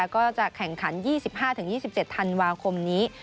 ก็จะแข่งขัน๒๕๒๗ธันวาคมนี้